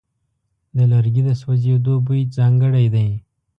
د لرګي د سوځېدو بوی ځانګړی دی.